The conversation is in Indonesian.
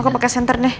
aku pakai senter deh